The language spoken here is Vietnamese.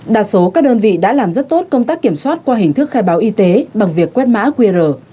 đa số các đơn vị đã làm rất tốt công tác kiểm soát qua hình thức khai báo y tế bằng việc quét mã qr